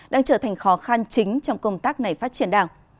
đang trở thành khó khăn chính trong công tác này phát triển đảng